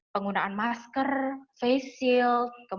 penggunaan masker facial